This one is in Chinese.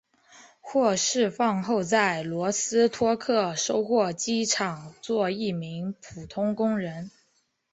获释放后在罗斯托克收获机厂做一名普通工人。